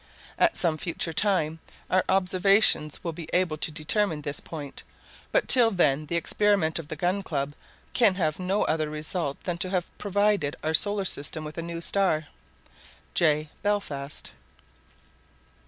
At some future time, our observations will be able to determine this point, but till then the experiment of the Gun Club can have no other result than to have provided our solar system with a new star. J. BELFAST.